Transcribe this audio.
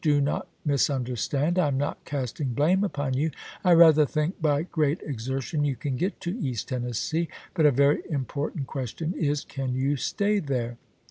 Do not mis understand : I am not casting blame upon you ; I rather think by great exertion you can get to East Tennessee, but a very important question is, ' Can you stay there